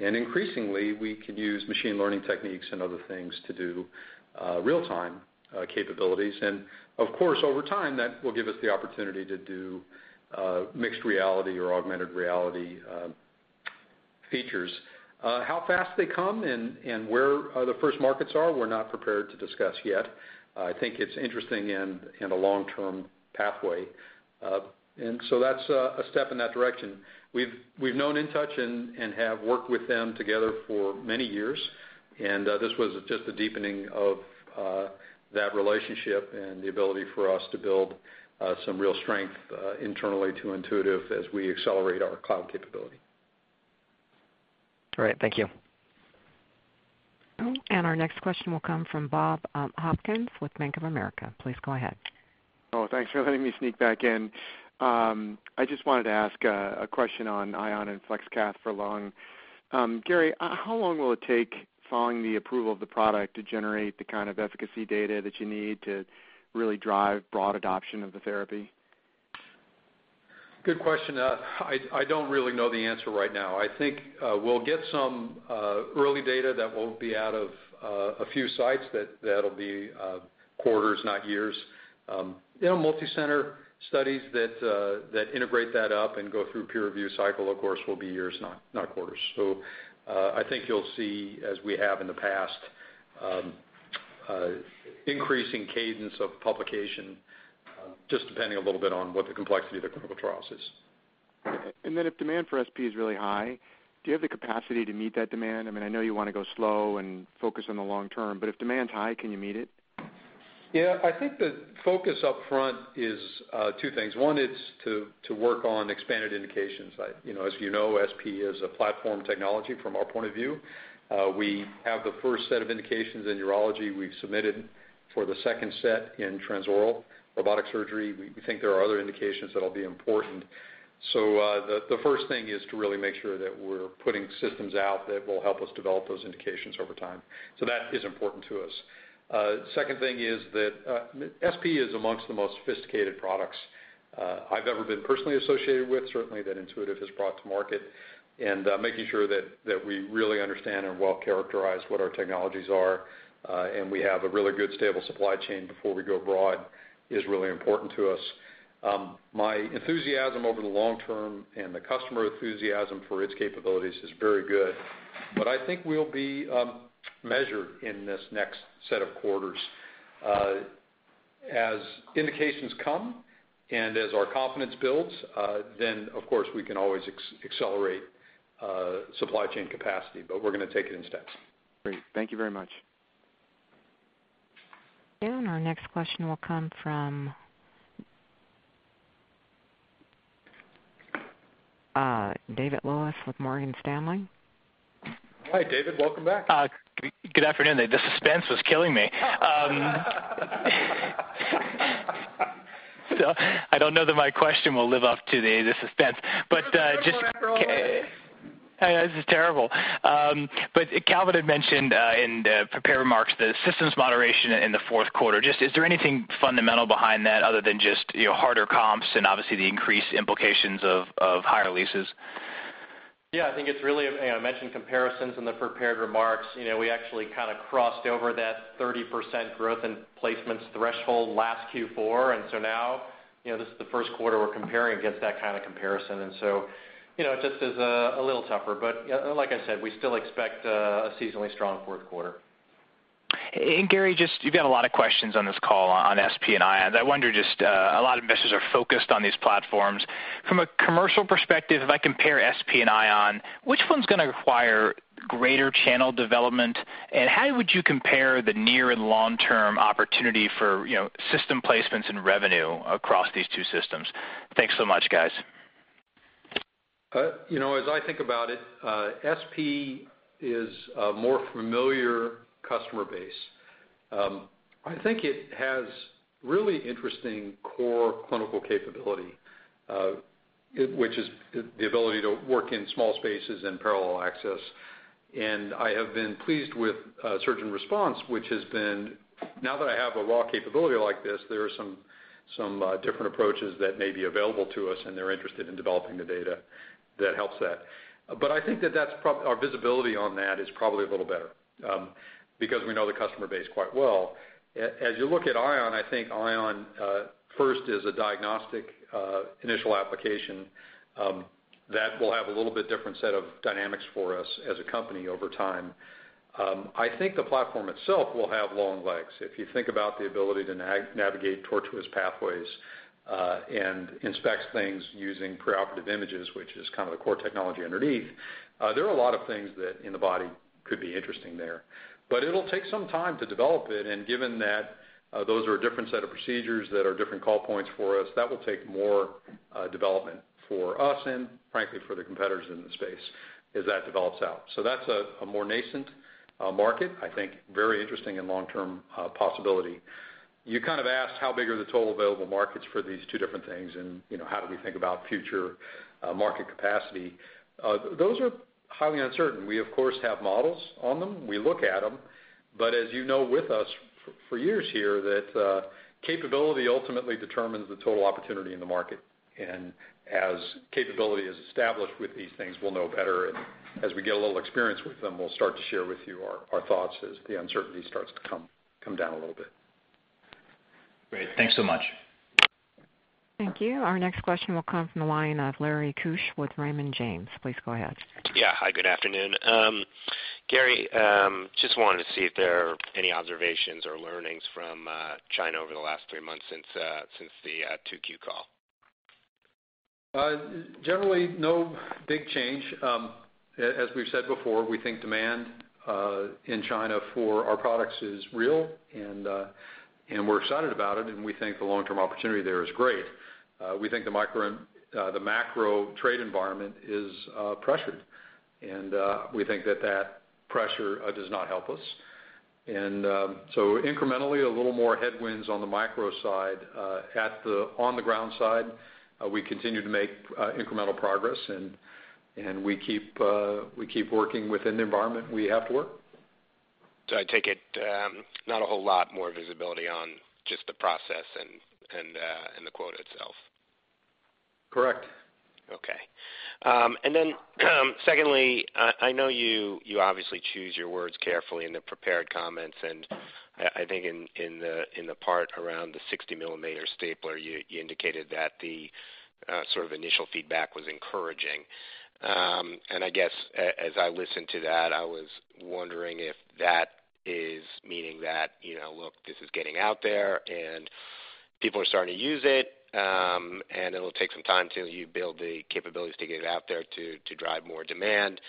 Increasingly, we can use machine learning techniques and other things to do real-time capabilities. Of course, over time, that will give us the opportunity to do mixed reality or augmented reality features. How fast they come and where the first markets are, we're not prepared to discuss yet. I think it's interesting and a long-term pathway. That's a step in that direction. We've known InTouch and have worked with them together for many years, and this was just a deepening of that relationship and the ability for us to build some real strength internally to Intuitive as we accelerate our cloud capability. All right. Thank you. Our next question will come from Bob Hopkins with Bank of America. Please go ahead. Oh, thanks for letting me sneak back in. I just wanted to ask a question on Ion and Flexision for Lung. Gary, how long will it take following the approval of the product to generate the kind of efficacy data that you need to really drive broad adoption of the therapy? Good question. I don't really know the answer right now. I think we'll get some early data that will be out of a few sites that'll be quarters, not years. Multicenter studies that integrate that up and go through peer review cycle, of course, will be years, not quarters. I think you'll see, as we have in the past, increasing cadence of publication, just depending a little bit on what the complexity of the clinical trials is. If demand for SP is really high, do you have the capacity to meet that demand? I know you want to go slow and focus on the long term, but if demand's high, can you meet it? Yeah. I think the focus up front is two things. One is to work on expanded indications. As you know, SP is a platform technology from our point of view. We have the first set of indications in urology. We've submitted for the second set in transoral robotic surgery. We think there are other indications that will be important. The first thing is to really make sure that we're putting systems out that will help us develop those indications over time. That is important to us. Second thing is that SP is amongst the most sophisticated products I've ever been personally associated with, certainly that Intuitive has brought to market. Making sure that we really understand and well-characterize what our technologies are, and we have a really good, stable supply chain before we go broad is really important to us. My enthusiasm over the long term and the customer enthusiasm for its capabilities is very good. I think we'll be measured in this next set of quarters. As indications come and as our confidence builds, of course, we can always accelerate supply chain capacity. We're going to take it in steps. Great. Thank you very much. Our next question will come from David Lewis with Morgan Stanley. Hi, David. Welcome back. Good afternoon. The suspense was killing me. I don't know that my question will live up to the suspense. I know this is terrible. Calvin had mentioned in the prepared remarks the systems moderation in the fourth quarter. Is there anything fundamental behind that other than just harder comps and obviously the increased implications of higher leases? I think it's really, I mentioned comparisons in the prepared remarks. We actually kind of crossed over that 30% growth in placements threshold last Q4, now this is the first quarter we're comparing against that kind of comparison. It just is a little tougher. Like I said, we still expect a seasonally strong fourth quarter. Gary, you've got a lot of questions on this call on SP and Ion. I wonder, just a lot of investors are focused on these platforms. From a commercial perspective, if I compare SP and Ion, which one's going to require greater channel development, and how would you compare the near and long-term opportunity for system placements and revenue across these two systems? Thanks so much, guys. As I think about it, SP is a more familiar customer base. I think it has really interesting core clinical capability, which is the ability to work in small spaces and parallel access. I have been pleased with surgeon response, which has been, now that I have a raw capability like this, there are some different approaches that may be available to us, and they're interested in developing the data that helps that. I think that our visibility on that is probably a little better, because we know the customer base quite well. As you look at Ion, I think Ion first is a diagnostic initial application that will have a little bit different set of dynamics for us as a company over time. I think the platform itself will have long legs. If you think about the ability to navigate tortuous pathways, and inspect things using preoperative images, which is kind of the core technology underneath, there are a lot of things that in the body could be interesting there. It'll take some time to develop it, and given that those are a different set of procedures that are different call points for us, that will take more development for us and frankly for the competitors in the space as that develops out. That's a more nascent market. I think very interesting and long-term possibility. You kind of asked how big are the total available markets for these two different things, and how do we think about future market capacity? Those are highly uncertain. We of course, have models on them. We look at them. As you know with us for years here, that capability ultimately determines the total opportunity in the market. As capability is established with these things, we'll know better, and as we get a little experience with them, we'll start to share with you our thoughts as the uncertainty starts to come down a little bit. Great. Thanks so much. Thank you. Our next question will come from the line of Larry Keusch with Raymond James. Please go ahead. Yeah. Hi, good afternoon. Gary, just wanted to see if there are any observations or learnings from China over the last three months since the 2Q call. Generally, no big change. As we've said before, we think demand in China for our products is real, and we're excited about it, and we think the long-term opportunity there is great. We think the macro trade environment is pressured, and we think that that pressure does not help us. Incrementally, a little more headwinds on the micro side. On the ground side, we continue to make incremental progress, and we keep working within the environment we have to work. I take it, not a whole lot more visibility on just the process and the quote itself. Correct. Okay. Secondly, I know you obviously choose your words carefully in the prepared comments, and I think in the part around the 60-millimeter stapler, you indicated that the sort of initial feedback was encouraging. I guess as I listened to that, I was wondering if that is meaning that look, this is getting out there and people are starting to use it, and it'll take some time till you build the capabilities to get it out there to drive more demand.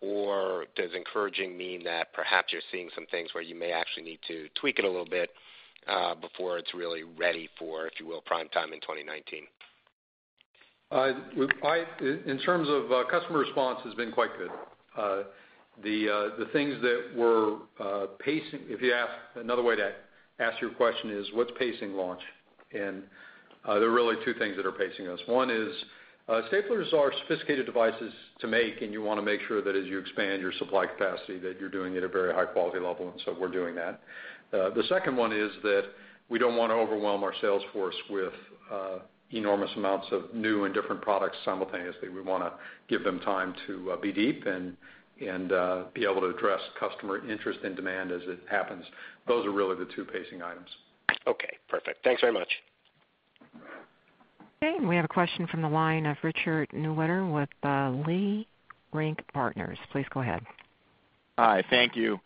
Or does encouraging mean that perhaps you're seeing some things where you may actually need to tweak it a little bit before it's really ready for, if you will, prime time in 2019? In terms of customer response, it's been quite good. The things that we're pacing. If you ask, another way to ask your question is, what's pacing launch? There are really two things that are pacing us. One is staplers are sophisticated devices to make, and you want to make sure that as you expand your supply capacity, that you're doing it at a very high-quality level, and so we're doing that. The second one is that we don't want to overwhelm our sales force with enormous amounts of new and different products simultaneously. We want to give them time to be deep and be able to address customer interest and demand as it happens. Those are really the two pacing items. Okay, perfect. Thanks very much. Okay, we have a question from the line of Richard Newitter with Leerink Partners. Please go ahead. Hi, thank you.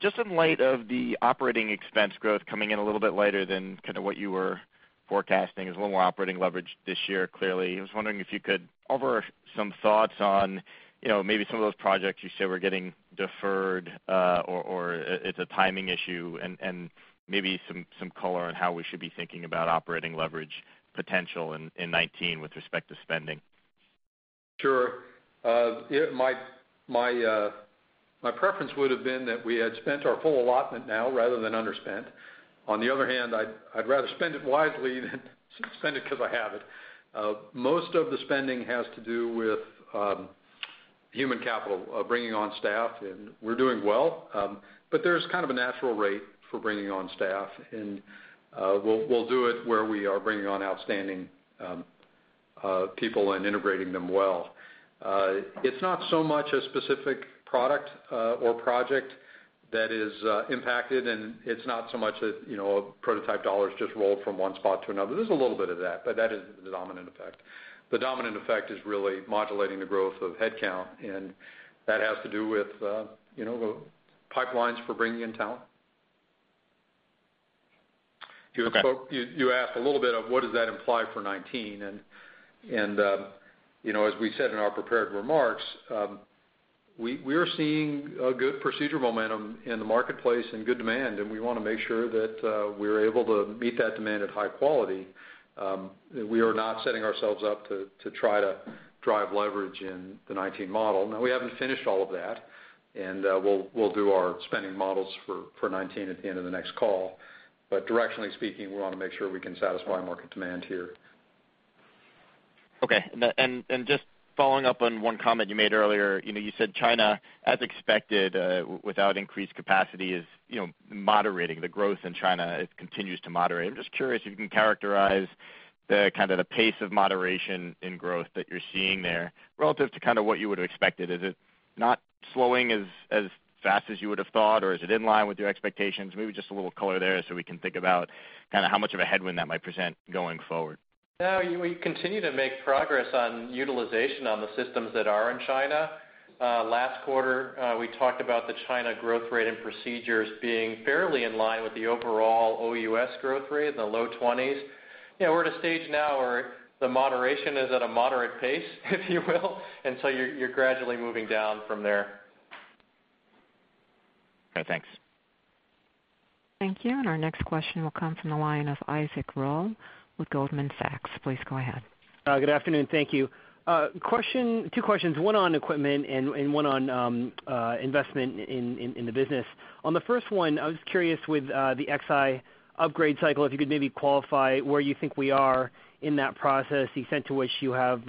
Just in light of the operating expense growth coming in a little bit lighter than kind of what you were forecasting as a little more operating leverage this year, clearly. I was wondering if you could offer some thoughts on maybe some of those projects you said were getting deferred or it's a timing issue, and maybe some color on how we should be thinking about operating leverage potential in 2019 with respect to spending. Sure. My preference would have been that we had spent our full allotment now rather than underspent. On the other hand, I'd rather spend it wisely than spend it because I have it. Most of the spending has to do with human capital, bringing on staff, and we're doing well. There's kind of a natural rate for bringing on staff, and we'll do it where we are bringing on outstanding people and integrating them well. It's not so much a specific product or project that is impacted, and it's not so much that prototype dollars just rolled from one spot to another. There's a little bit of that isn't the dominant effect. The dominant effect is really modulating the growth of headcount, that has to do with the pipelines for bringing in talent. Okay. You asked a little bit of what does that imply for 2019. As we said in our prepared remarks, we are seeing a good procedure momentum in the marketplace and good demand, and we want to make sure that we're able to meet that demand at high quality. We are not setting ourselves up to try to drive leverage in the 2019 model. Now, we haven't finished all of that, we'll do our spending models for 2019 at the end of the next call. Directionally speaking, we want to make sure we can satisfy market demand here. Okay. Just following up on one comment you made earlier. You said China, as expected, without increased capacity, is moderating. The growth in China continues to moderate. I'm just curious if you can characterize the pace of moderation in growth that you're seeing there relative to what you would've expected. Is it not slowing as fast as you would've thought, or is it in line with your expectations? Maybe just a little color there so we can think about how much of a headwind that might present going forward. No, we continue to make progress on utilization on the systems that are in China. Last quarter, we talked about the China growth rate and procedures being fairly in line with the overall OUS growth rate in the low 20s. We're at a stage now where the moderation is at a moderate pace, if you will. You're gradually moving down from there. Okay, thanks. Thank you. Our next question will come from the line of Isaac Ro with Goldman Sachs. Please go ahead. Good afternoon. Thank you. Two questions, one on equipment and one on investment in the business. On the first one, I was curious with the Xi upgrade cycle, if you could maybe qualify where you think we are in that process, the extent to which you have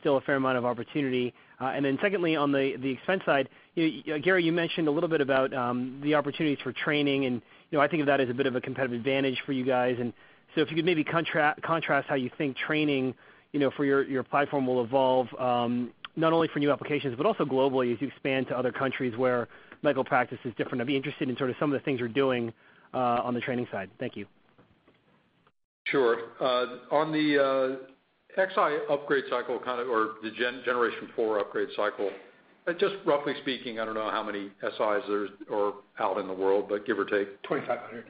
still a fair amount of opportunity. Secondly, on the expense side, Gary, you mentioned a little bit about the opportunities for training, and I think of that as a bit of a competitive advantage for you guys. If you could maybe contrast how you think training for your platform will evolve, not only for new applications, but also globally as you expand to other countries where medical practice is different. I'd be interested in sort of some of the things you're doing on the training side. Thank you. Sure. On the Xi upgrade cycle or the generation 4 upgrade cycle, just roughly speaking, I don't know how many Xis are out in the world, but give or take. 2,500.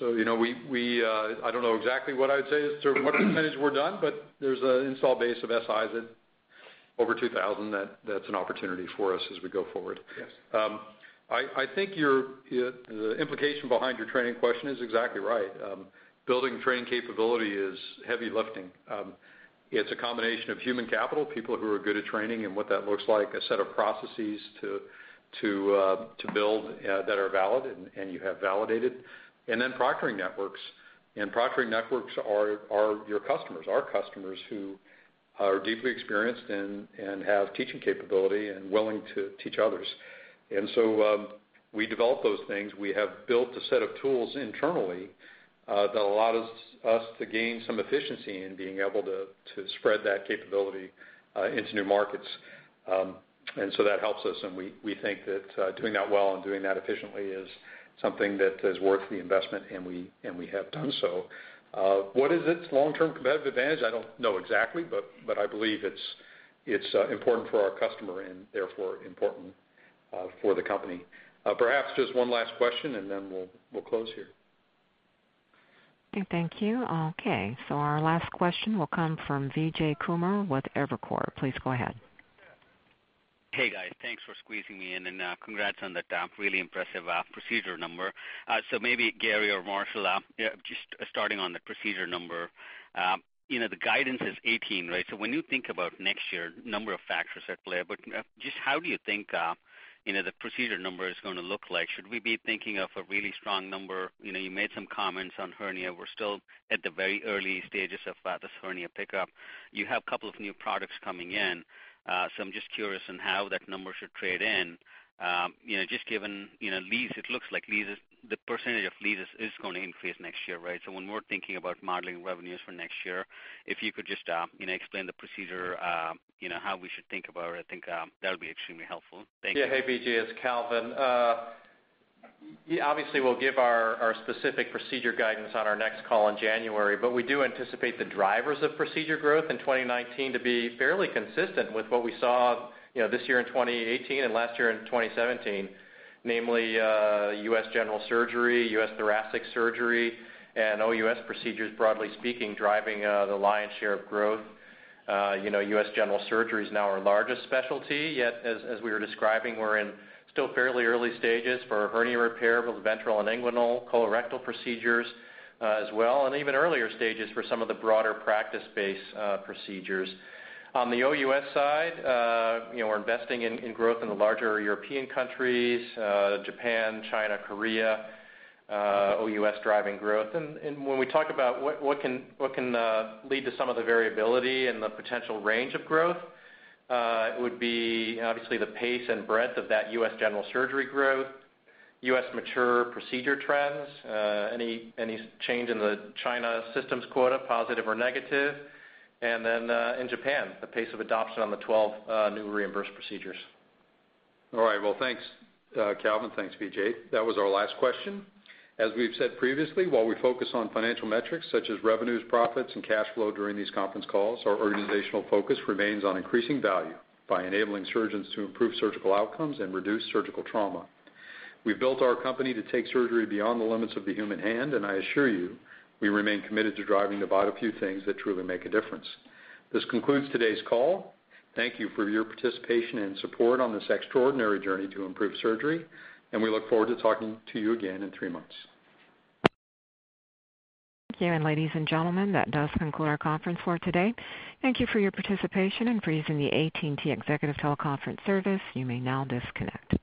I don't know exactly what I'd say as to what percentage we're done, but there's an install base of Xis at over 2,000 that's an opportunity for us as we go forward. Yes. I think the implication behind your training question is exactly right. Building training capability is heavy lifting. It's a combination of human capital, people who are good at training and what that looks like, a set of processes to build that are valid and you have validated, and then proctoring networks. Proctoring networks are your customers, our customers, who are deeply experienced and have teaching capability and willing to teach others. We develop those things. We have built a set of tools internally that allow us to gain some efficiency in being able to spread that capability into new markets. That helps us, and we think that doing that well and doing that efficiently is something that is worth the investment, and we have done so. What is its long-term competitive advantage? I don't know exactly, I believe it's important for our customer and therefore important for the company. Perhaps just one last question, then we'll close here. Okay, thank you. Okay, our last question will come from Vijay Kumar with Evercore. Please go ahead. Hey, guys. Thanks for squeezing me in, congrats on that really impressive procedure number. Maybe Gary or Marshall, just starting on the procedure number. The guidance is 18, right? When you think about next year, a number of factors at play, just how do you think the procedure number is going to look like? Should we be thinking of a really strong number? You made some comments on hernia. We're still at the very early stages of this hernia pickup. You have a couple of new products coming in. I'm just curious on how that number should trade in. Just given lease, it looks like the percentage of leases is going to increase next year, right? When we're thinking about modeling revenues for next year, if you could just explain the procedure, how we should think about it, I think that would be extremely helpful. Thank you. Yeah. Hey, Vijay, it's Calvin. Obviously, we'll give our specific procedure guidance on our next call in January, but we do anticipate the drivers of procedure growth in 2019 to be fairly consistent with what we saw this year in 2018 and last year in 2017, namely, U.S. general surgery, U.S. thoracic surgery, and OUS procedures, broadly speaking, driving the lion's share of growth. U.S. general surgery is now our largest specialty, yet, as we were describing, we're in still fairly early stages for hernia repair, both ventral and inguinal, colorectal procedures as well, and even earlier stages for some of the broader practice-based procedures. On the OUS side, we're investing in growth in the larger European countries, Japan, China, Korea, OUS driving growth. When we talk about what can lead to some of the variability and the potential range of growth, it would be obviously the pace and breadth of that U.S. general surgery growth, U.S. mature procedure trends, any change in the China systems quota, positive or negative, and then in Japan, the pace of adoption on the 12 new reimbursed procedures. All right. Well, thanks, Calvin. Thanks, Vijay. That was our last question. As we've said previously, while we focus on financial metrics such as revenues, profits, and cash flow during these conference calls, our organizational focus remains on increasing value by enabling surgeons to improve surgical outcomes and reduce surgical trauma. We've built our company to take surgery beyond the limits of the human hand, and I assure you, we remain committed to driving the vital few things that truly make a difference. This concludes today's call. Thank you for your participation and support on this extraordinary journey to improve surgery, and we look forward to talking to you again in three months. Thank you. Ladies and gentlemen, that does conclude our conference for today. Thank you for your participation and for using the AT&T Executive Teleconference Service. You may now disconnect.